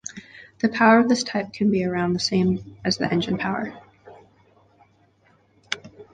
The power of this type can be around the same as the engine power.